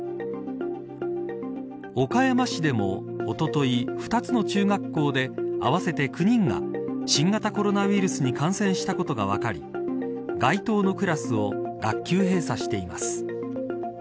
岡山市でも、おととい２つの中学校で合わせて９人が新型コロナウイルスに感染したことが分かり該当のクラスを学級閉鎖しています。